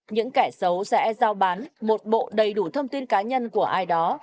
những kẻ xấu sẽ giao bán một bộ đầy đủ thông tin cá nhân của ai đó